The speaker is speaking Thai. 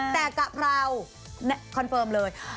แต่กะเพราคอนเฟิร์มเลย